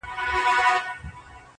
د نېکۍ او د احسان خبري ښې دي،